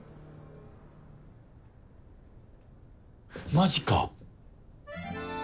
マジか。